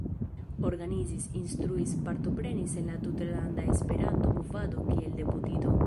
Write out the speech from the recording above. Organizis, instruis, partoprenis en la tutlanda esperanto-movado kiel deputito.